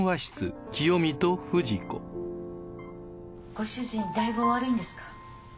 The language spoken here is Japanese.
ご主人だいぶお悪いんですか？